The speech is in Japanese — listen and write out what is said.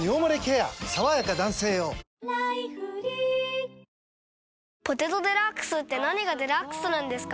さわやか男性用」「ポテトデラックス」って何がデラックスなんですか？